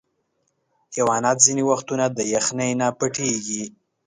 حیوانات ځینې وختونه د یخني نه پټیږي.